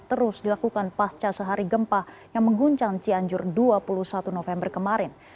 terus dilakukan pasca sehari gempa yang mengguncang cianjur dua puluh satu november kemarin